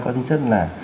có tính chất là